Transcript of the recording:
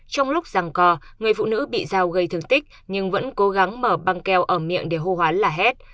trong lúc răng co người phụ nữ bị giao gây thương tích nhưng vẫn cố gắng mở băng keo ở miệng để hô hoán là hết